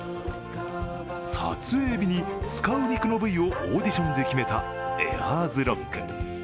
撮影日に使う肉の部位をオーディションで決めたエアーズロック。